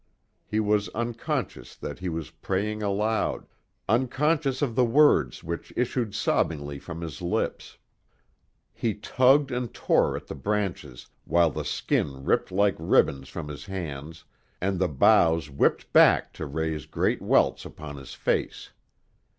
He was unconscious that he was praying aloud, unconscious of the words which issued sobbingly from his lips. He tugged and tore at the branches while the skin ripped like ribbons from his hands and the boughs whipped back to raise great welts upon his face.